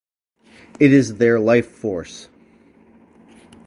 It is their life force.